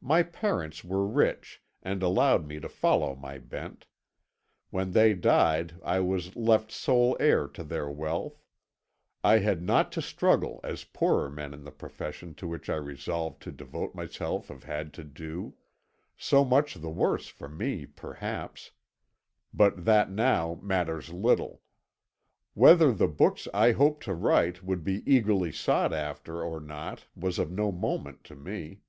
"My parents were rich, and allowed me to follow my bent. When they died I was left sole heir to their wealth. I had not to struggle as poorer men in the profession to which I resolved to devote myself have had to do. So much the worse for me perhaps but that now matters little. Whether the books I hoped to write would be eagerly sought after or not was of no moment to me.